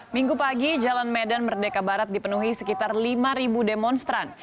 minggu pagi jalan medan merdeka barat dipenuhi sekitar lima demonstran